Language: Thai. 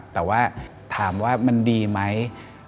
แต่ว่าถามว่ามันดีไหม